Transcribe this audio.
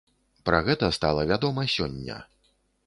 Пра гэта стала вядома сёння.